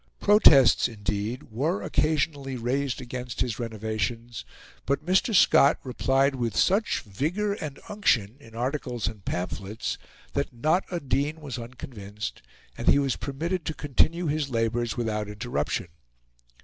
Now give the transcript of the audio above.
Protests, indeed, were occasionally raised against his renovations; but Mr. Scott replied with such vigour and unction in articles and pamphlets that not a Dean was unconvinced, and he was permitted to continue his labours without interruption.